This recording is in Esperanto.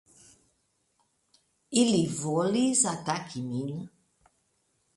Ili volis ataki min.